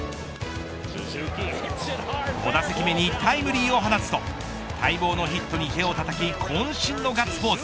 ５打席目にタイムリーを放つと待望のヒットに手をたたきこん身のガッツポーズ。